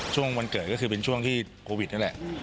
ช่วงวันเกิดก็คือเป็นช่วงที่โควิดนั่นแหละ